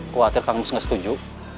kuatir kamu harus setuju